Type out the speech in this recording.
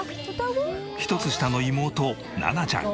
１つ下の妹ななちゃん。